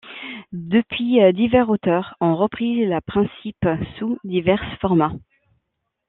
Depuis, divers auteurs ont repris la principe sous diverses formats.